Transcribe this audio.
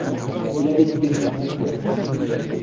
Il avait dû gagner un concours.